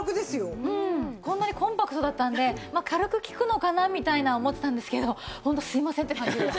こんなにコンパクトだったのでまあ軽く効くのかなみたいには思ってたんですけどホントすみませんって感じ。